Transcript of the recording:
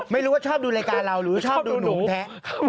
ไม่รู้ว่าชอบดูรายการเราหรือชอบดูหนุ่มแท้